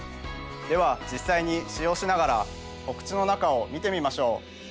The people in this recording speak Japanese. では実際に使用しながらお口の中を見てみましょう。